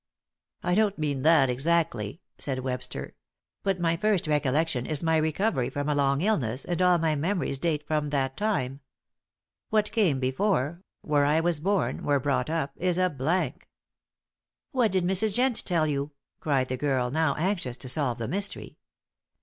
"I don't mean that exactly," said Webster, "but my first recollection is my recovery from a long illness, and all my memories date from that time. What came before where I was born, where brought up is a blank." "What did Mrs. Jent tell you?" cried the girl, now anxious to solve the mystery.